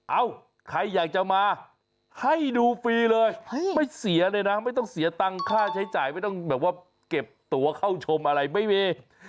เอ้าใครอยากจะมาให้ดูฟรีเลยไม่เสียเลยนะไม่ต้องเสียตังค์ค่าใช้จ่ายไม่ต้องแบบว่าเก็บตัวเข้าชมอะไรไม่มี